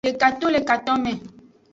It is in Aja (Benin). Deka to le katonme.